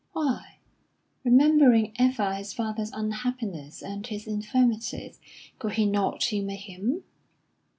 Why, remembering ever his father's unhappiness and his infirmities, could he not humour him?